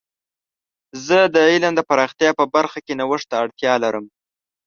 زه د علم د پراختیا په برخه کې نوښت ته اړتیا لرم.